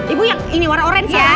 ibu yang ini warna orange ya